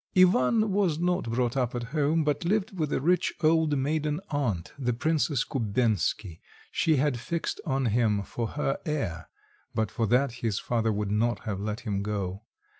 Ivan was not brought up at home, but lived with a rich old maiden aunt, the Princess Kubensky; she had fixed on him for her heir (but for that his father would not have let him go).